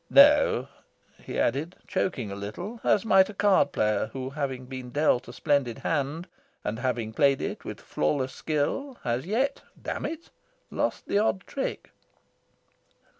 "No," he answered, choking a little, as might a card player who, having been dealt a splendid hand, and having played it with flawless skill, has yet damn it! lost the odd trick.